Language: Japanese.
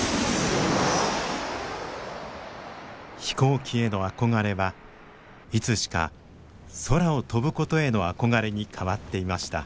飛行機への憧れはいつしか空を飛ぶことへの憧れに変わっていました。